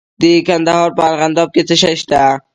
د کندهار په ارغنداب کې څه شی شته؟